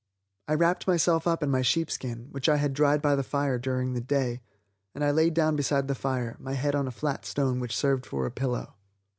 I wrapped myself up in my sheepskin, which I had dried by the fire during the day, and I laid down beside the fire, my head on a flat stone which served for a pillow.